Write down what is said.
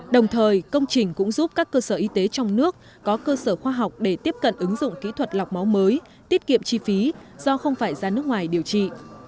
đồng thời công trình cũng giúp các cơ sở y tế trong nước có cơ sở khoa học để tiếp cận ứng dụng kỹ thuật lọc máu mới tiết kiệm chi phí do không phải ra nước ngoài điều trị